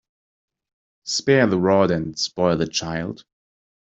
Spare the rod and spoil the child.